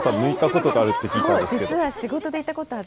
そう、実は仕事で行ったことあって。